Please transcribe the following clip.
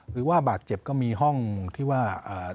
หรือว่าบาดเจ็บก็มีห้องที่ว่า